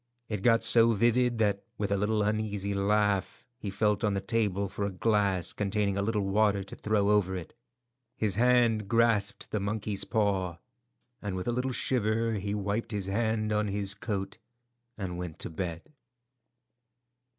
It got so vivid that, with a little uneasy laugh, he felt on the table for a glass containing a little water to throw over it. His hand grasped the monkey's paw, and with a little shiver he wiped his hand on his coat and went up to bed.